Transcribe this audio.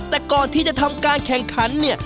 แต่ก่อนที่จะทำการแข่งขันเนี่ย